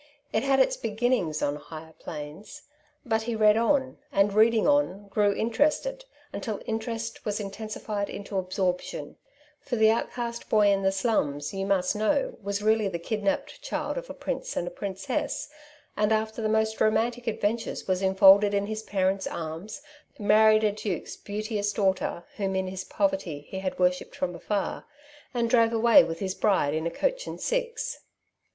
It had its being on higher planes. But he read on, and, reading on, grew interested, until interest was intensified into absorption For the outcast boy in the slums, you must know, was really the kidnapped child of a prince and a princess, and after the most romantic adventures was enfolded in his parents' arms, married a duke's beauteous daughter, whom in his poverty he had worshipped from afar, and drove away with his bride in a coach and six.